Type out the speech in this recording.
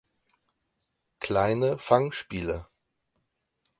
Kleine Fangspiele